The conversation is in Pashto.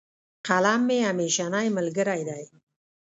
قلم مي همېشنی ملګری دی.